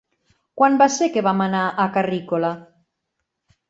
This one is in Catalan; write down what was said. Quan va ser que vam anar a Carrícola?